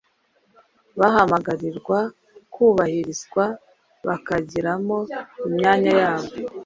bahamagarirwa kubarizwa bakagiramo imyanya yabo.